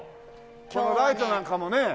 このライトなんかもねああ